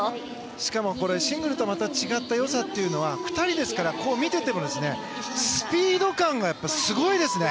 しかも、シングルとはまた違った良さというのは２人ですから見ていてもスピード感がすごいですね。